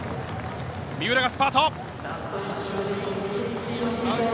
三浦がスパート！